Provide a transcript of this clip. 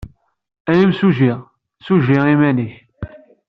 A imsujji, ssujji iman-nnek.